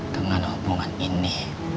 dengan hubungan ini